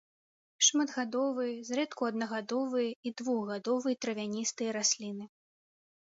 Шматгадовыя, зрэдку аднагадовыя і двухгадовыя травяністыя расліны.